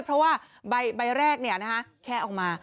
เพราะว่าใบแรกเนี่ยนะฮะแค่ออกมา